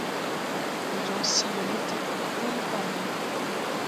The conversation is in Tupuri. Ndɔ jɔŋ sii we me draʼ gà ɓuy barge.